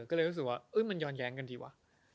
ก็เลยรู้สึกว่ามันย้อนแย้งกันดีวะ